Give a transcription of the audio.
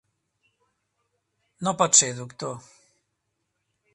No pot ser, doctor.